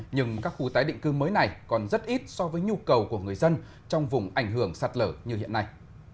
nhưng các khu tái định cư mới này còn rất ít so với nhu cầu của người dân trong vùng ảnh hưởng sạt lở như hiện nay